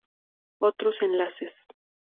Otros enlaces